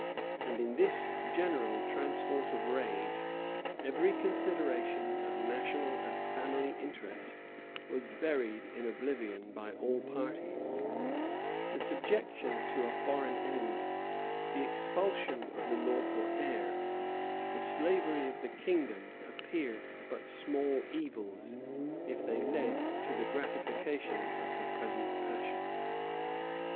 And in this general transport of rage, every consideration of national and family interest was buried in oblivion by all parties: the subjection to a foreign enemy, the expulsion of the lawful heir, the slavery of the kingdom, appeared but small evils, if they led to the gratification of the present passion.